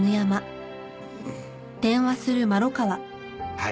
はい。